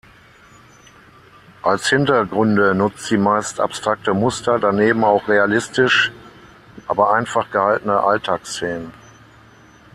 Als Hintergründe nutzt sie meist abstrakte Muster, daneben auch realistisch, aber einfach gehaltene Alltagsszenen.